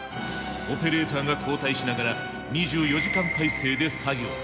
オペレーターが交代しながら２４時間体制で作業。